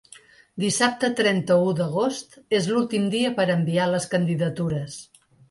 Dissabte trenta-u d’agost és l’últim dia per enviar les candidatures.